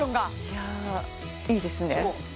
いやあいいですね